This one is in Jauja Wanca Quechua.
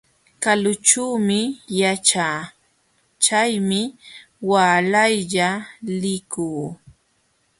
Kalućhuumi yaćhaa, chaymi waalaylla likuu.